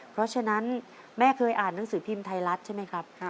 เพราะฉะนั้นแม่เคยอ่านหนังสือพิมพ์ไทยรัฐใช่ไหมครับ